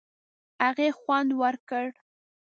هغې خوند ورکړ.